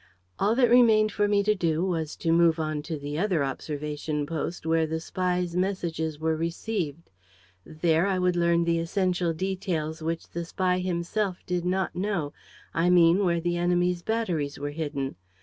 "All that remained for me to do was to move on to the other observation post, where the spy's messages were received. There I would learn the essential details which the spy himself did not know; I mean, where the enemy's batteries were hidden.